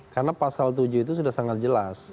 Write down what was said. karena pasal tujuh itu sudah sangat jelas